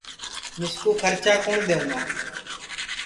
مِسکُو کھرچا کُوٹؔ دؔیوں گا